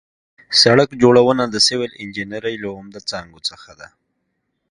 سړک جوړونه د سیول انجنیري له عمده څانګو څخه ده